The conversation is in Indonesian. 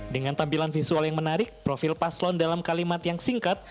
dengan tampilan visual yang menarik profil paslon dalam kalimat yang singkat